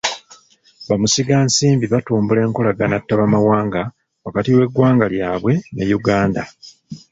Bamusigansimbi batumbula enkolagana ttabamawanga wakati w'eggwanga ly'abwe ne Uganda.